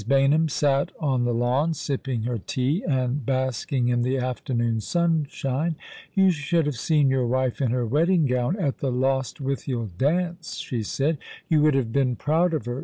Baynham sat on the lawn, sipping her tea, and bask ing in the afternoon sunshine. " You should have seen your wife in her wedding gown at the Lostwithiel dance," she said. " You would have been proud of her.